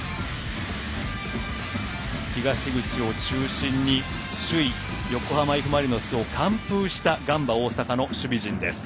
東口を中心に首位横浜Ｆ・マリノスを完封したガンバ大阪の守備陣です。